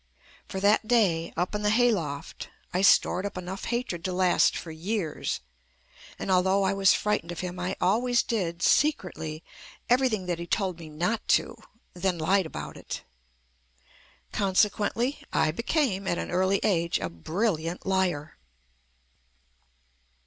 For that day up in the hay loft I stored up enough hatred to last for years, and although I was frightened of him I always did secretly every thing that he told me not to, then lied about it. Consequently, I became at an early age a bril liant liar.